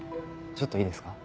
ちょっといいですか？